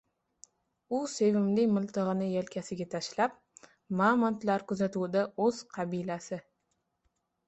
U sevimli miltig’ini yelkasiga tashlab, momandlar kuzatuvida o’z qabilasi